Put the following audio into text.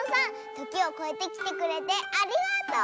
ときをこえてきてくれてありがとう！